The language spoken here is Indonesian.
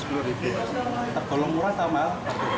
belum murah atau mahal